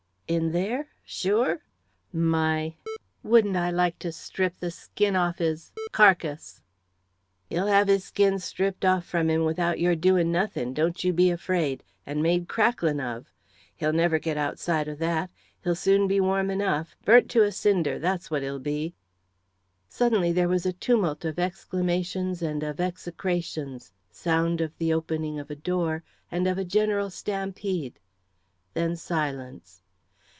"In there? Sure? My ! wouldn't I like to strip his skin from off his carcase!" "He'll have his skin stripped off from him without your doing nothing, don't you be afraid and made crackling of! He'll never get outside of that he'll soon be warm enough burnt to a cinder, that's what he'll be!" Suddenly there was a tumult of exclamations and of execrations, sound of the opening of a door, and of a general stampede. Then silence.